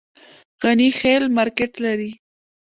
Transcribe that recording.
غني خیل مارکیټ لري؟